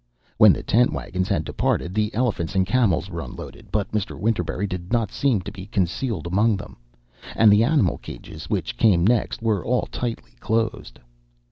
When the tent wagons had departed, the elephants and camels were unloaded, but Mr. Winterberry did not seem to be concealed among them, and the animal cages which came next were all tightly closed.